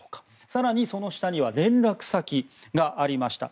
更に、その下には連絡先がありました。